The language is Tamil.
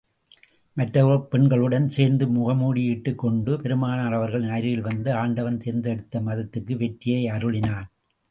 மற்றப் பெண்களுடன் சேர்ந்து முகமூடியிட்டுக் கொண்டு, பெருமானார் அவர்களின் அருகில் வந்து, ஆண்டவன் தேர்ந்தெடுத்த மதத்துக்கு வெற்றியை அருளினான்.